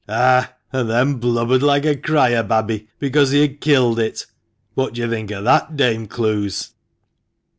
" Ah ! and then blubbered like a cry a babby because he had killed it! What do you think of that, Dame Clowes?"